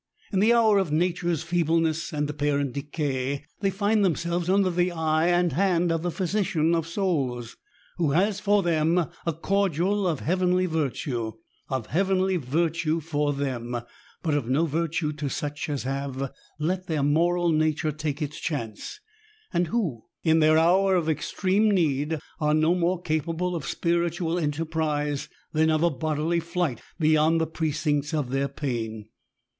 In the hour of nature's feebleness, and apparent decay, they find them ' selves under the eye and hand of the Physician of souls, who has for them a cordial of heavenly virtue — of heavenly virtue for them, but of no virtue to such as have let their moral nature take its chance, and who, in their hour of extreme need, are no more capable of spiritual enterprise than of a bodily flight beyond the precincts of their pain.